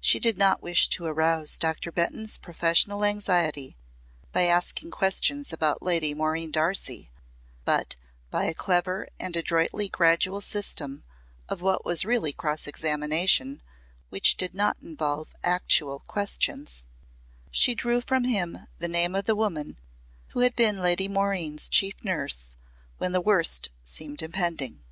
She did not wish to arouse Doctor Benton's professional anxiety by asking questions about Lady Maureen Darcy, but, by a clever and adroitly gradual system of what was really cross examination which did not involve actual questions, she drew from him the name of the woman who had been Lady Maureen's chief nurse when the worst seemed impending.